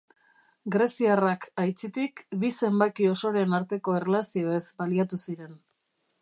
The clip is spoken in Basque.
Greziarrak, aitzitik, bi zenbaki osoren arteko erlazioez baliatu ziren.